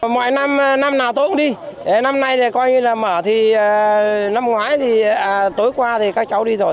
mọi năm năm nào tôi cũng đi năm nay là coi như là mở thì năm ngoái thì tối qua thì các cháu đi rồi